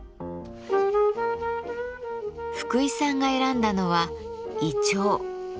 福井さんが選んだのはいちょう。